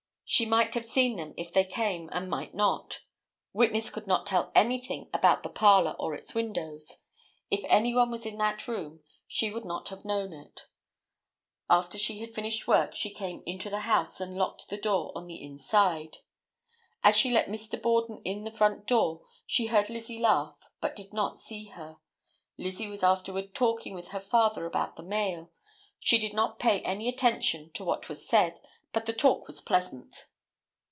She might have seen them if they came and might not; witness could not tell anything about the parlor or its windows; if any one was in that room she would not have known it; after she had finished work she came into the house and locked the door on the inside; as she let Mr. Borden in the front door she heard Lizzie laugh, but did not see her; Lizzie was afterward talking with her father about the mail; she did not pay any attention to what was said, but the talk was pleasant.